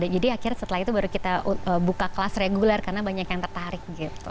jadi akhirnya setelah itu baru kita buka kelas regular karena banyak yang tertarik gitu